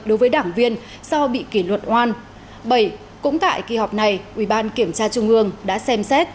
đối với đảng viên do bị kỷ luật oan bảy cũng tại kỳ họp này ubnd tp hcm đã xem xét